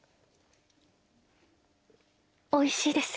おいしいです。